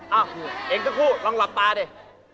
เอ้าเองทุกคู่ลองหลับตาดิ